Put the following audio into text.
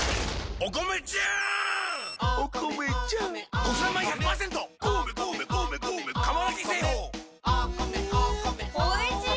おいしい。